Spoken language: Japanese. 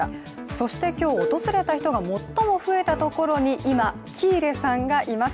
そして今日、訪れた人が最も増えたところに今、喜入さんがいます。